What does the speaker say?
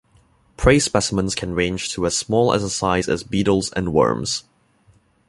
Prey specimens can range to as small a size as beetles and worms.